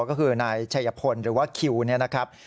ก็คือนเชยพลหรือว่าคิวนะครับ